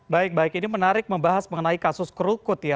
baik baik ini menarik membahas mengenai kasus krukut ya